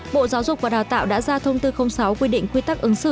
bộ giáo dục và đào tạo đã ra thông tư sáu quy định quy tắc ứng xử